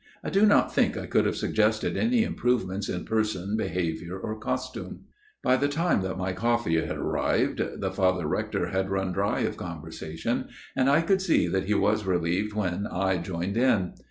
I do not think I could have suggested any improvements in person, behaviour, or costume. By the time that my coffee had arrived, the Father Rector had run dry of conversation and I could see that he was relieved when I joined in.